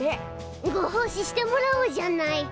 ごほう仕してもらおうじゃない。